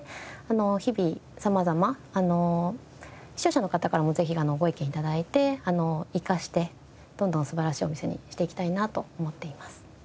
日々様々視聴者の方からもぜひご意見頂いて生かしてどんどん素晴らしいお店にしていきたいなと思っています。